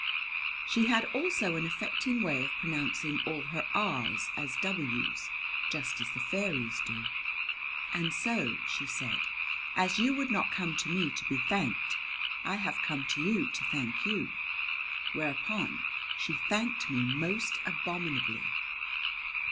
She had also an affecting way of pronouncing all her r's as w's, just as the fairies do. "And so," she said, "as you would not come to me to be thanked, I have come to you to thank you." Whereupon she thanked me most abominably.